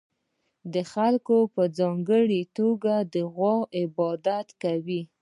خلکو په ځانګړې توګه د غوا عبادت کاوه